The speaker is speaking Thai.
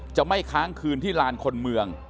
จะไม่ค้างคืนที่ลานคนเมือง